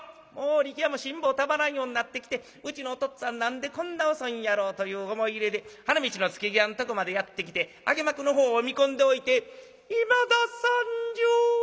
力弥も辛抱たまらんようになってきてうちのお父っつぁん何でこんな遅いんやろうという思い入れで花道の付際のとこまでやって来て揚幕のほうを見込んでおいて『いまだ参上』。